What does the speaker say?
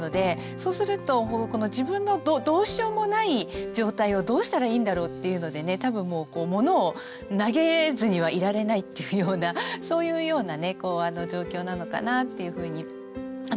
そうすると自分のどうしようもない状態をどうしたらいいんだろうっていうので多分モノを投げずにはいられないというようなそういうような状況なのかなというふうに思うんですよね。